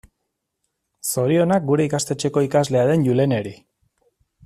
Zorionak gure ikastetxeko ikaslea den Juleneri.